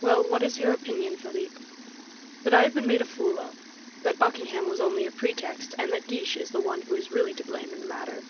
"Well, what is your opinion, Philip?" "That I have been made a fool of; that Buckingham was only a pretext, and that Guiche is the one who is really to blame in the matter."